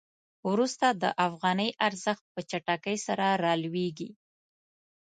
وروسته د افغانۍ ارزښت په چټکۍ سره رالویږي.